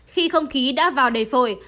khi không khí đã vào đầy phổi